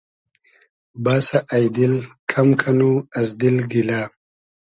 بئسۂ اݷ دیل کئم کئنو از دیل گیلۂ